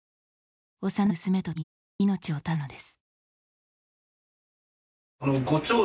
幼い娘と共に、命を絶ったのです。